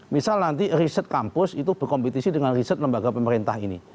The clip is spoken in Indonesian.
misal nanti riset kampus itu berkompetisi dengan riset lembaga pemerintah ini